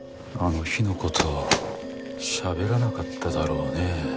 あの日の事しゃべらなかっただろうね？